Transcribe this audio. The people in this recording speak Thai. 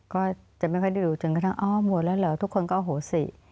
ก็จะไม่ค่อยได้ดูจนกระทั่งอ๋อหมดแล้วเหรอทุกคนก็โหสิ